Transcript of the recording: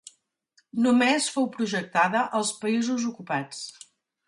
Només fou projectada als països ocupats.